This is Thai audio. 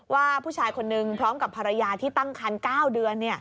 ว่าผู้ชายคนนึงพร้อมกับภรรยาที่ตั้งคัน๙เดือน